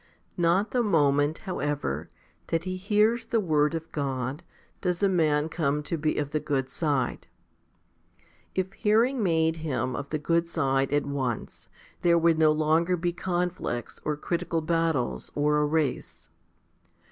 20. Not the moment, however, that he hears the word of 1 God, does a man come to be of the good side. If hearing made him of the good side at once, there would no longer be conflicts, or critical battles, or a race.